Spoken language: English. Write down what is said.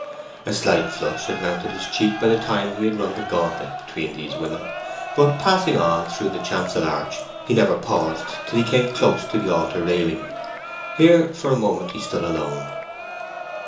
A slight flush had mounted his cheek by the time he had run the gauntlet between these women; but, passing on through the chancel arch, he never paused till he came close to the altar railing. Here for a moment he stood alone.